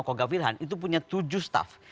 koga wilhan itu punya tujuh staff